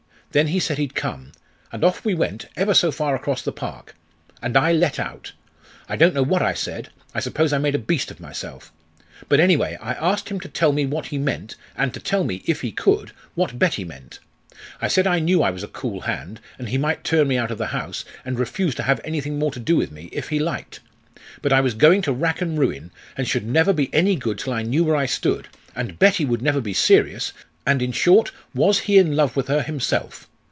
Then he said he'd come. And off we went, ever so far across the park. And I let out. I don't know what I said; I suppose I made a beast of myself. But anyway, I asked him to tell me what he meant, and to tell me, if he could, what Betty meant. I said I knew I was a cool hand, and he might turn me out of the house, and refuse to have anything more to do with me if he liked. But I was going to rack and ruin, and should never be any good till I knew where I stood and Betty would never be serious and, in short, was he in love with her himself?